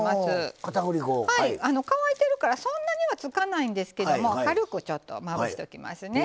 乾いてるからそんなにはつかないんですけども軽くちょっとまぶしておきますね。